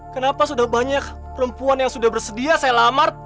kenapa sudah banyak perempuan yang sudah bersedia saya lamar